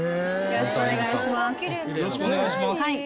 よろしくお願いします。